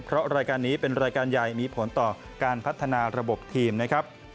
เพราะรายการนี้เป็นรายการใหญ่มีผลต่อการพัฒนาระบบทีมนะครับ